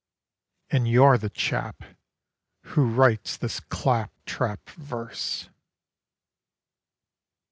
And you're the chap who writes this claptrap verse!